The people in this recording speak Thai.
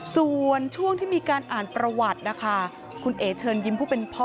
ส่วนช่วงที่มีการอ่านประวัตินะคะคุณเอ๋เชิญยิ้มผู้เป็นพ่อ